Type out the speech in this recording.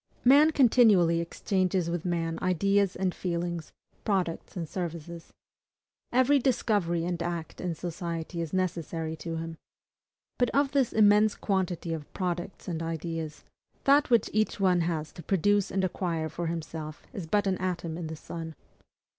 Man continually exchanges with man ideas and feelings, products and services. Every discovery and act in society is necessary to him. But of this immense quantity of products and ideas, that which each one has to produce and acquire for himself is but an atom in the sun.